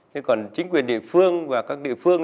thế còn chính quyền địa phương và các địa phương